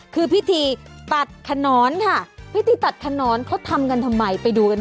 คือพิธีตัดขนอนค่ะพิธีตัดขนอนเขาทำกันทำไมไปดูกันค่ะ